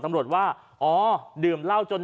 ตำรวจว่าอ๋อดื่มเหล้าจน